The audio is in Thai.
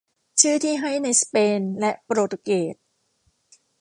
ชื่อที่ให้ในสเปนและโปรตุเกส